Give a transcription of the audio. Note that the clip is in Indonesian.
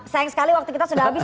sayang sekali waktu kita sudah habis